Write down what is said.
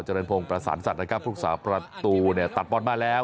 เจริญพงศ์ประสานศัตริย์นะครับพวกสามประตูเนี่ยตัดปอนด์มาแล้ว